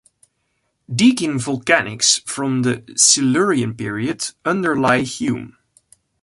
Deakin Volcanics from the Silurian period underlie Hume.